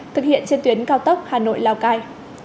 thực hiện trên tuyến cao tốc hà nội lào cai